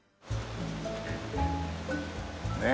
ねえ。